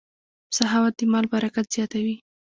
سخاوت د مال برکت زیاتوي.